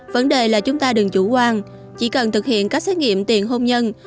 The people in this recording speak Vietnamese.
vấn đề là chúng ta đừng chủ quan chỉ cần thực hiện các xét nghiệm tiền hôn nhân